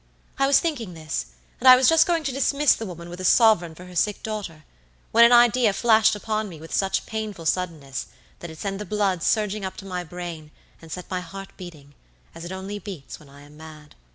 I was thinking this, and I was just going to dismiss the woman with a sovereign for her sick daughter, when an idea flashed upon me with such painful suddenness that it sent the blood surging up to my brain, and set my heart beating, as it only beats when I am mad.